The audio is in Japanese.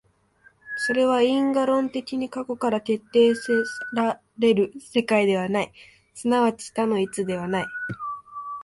それは因果論的に過去から決定せられる世界ではない、即ち多の一ではない。